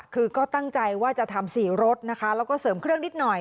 คือก็ตั้งใจว่าจะทำ๔รถนะคะแล้วก็เสริมเครื่องนิดหน่อย